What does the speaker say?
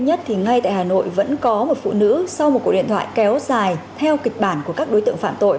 hôm nay tại hà nội vẫn có một phụ nữ sau một cuộc điện thoại kéo dài theo kịch bản của các đối tượng phạm tội